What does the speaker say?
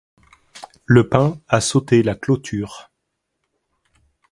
Le pain a sauté la cloture.